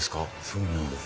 そうなんです。